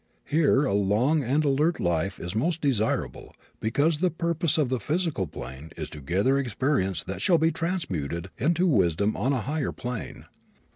Here a long and alert life is most desirable because the purpose of the physical plane is to gather experience that shall be transmuted into wisdom on a higher plane.